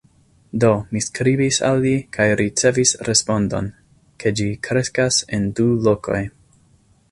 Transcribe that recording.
Do, mi skribis al li kaj ricevis respondon, ke ĝi kreskas en du lokoj.